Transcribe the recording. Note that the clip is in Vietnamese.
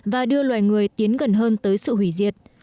và đưa loài người tiến gần hơn tới sự hủy diệt